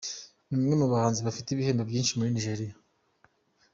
Ni umwe mu bahanzi bafite ibihembo byinshi muri Nigeria.